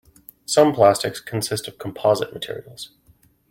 Some plastics consist of composite materials.